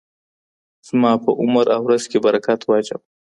زما په عمر او رزق کې برکت واچوه.